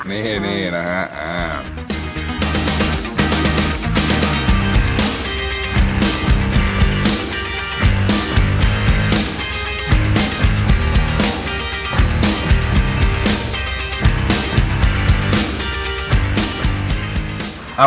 นี่นะฮะอ่า